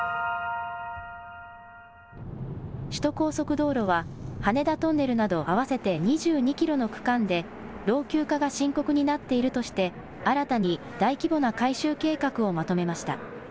首都高速道路は羽田トンネルなど合わせて２２キロの区間で老朽化が深刻になっているとして新たに大規模な改修計画をまとめました。